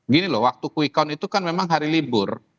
gini loh waktu quick count itu kan memang hari libur